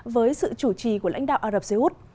với sự chủ trì của lãnh đạo ả rập xê út